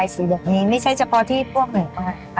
อย่าเรียกว่าฮิ่งพระเรียกว่า